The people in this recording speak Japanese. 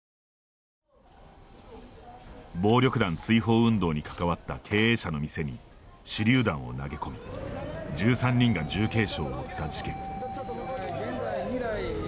暴力団追放運動に関わった経営者の店に手りゅう弾を投げ込み１３人が重軽傷を負った事件。